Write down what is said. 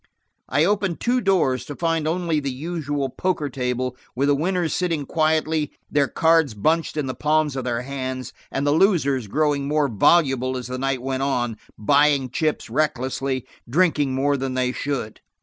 I opened two doors, to find only the usual poker table, with the winners sitting quietly, their cards bunched in the palms of their hands, and the losers, growing more voluble as the night went on, buying chips recklessly, drinking more than they should.